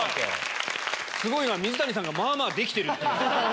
すごいのは水谷さんがまぁまぁできてるっていう。